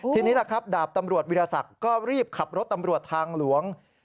ทีนี้แหละครับดาบตำรวจวิทยาศักดิ์ก็รีบขับรถตำรวจทางหลวง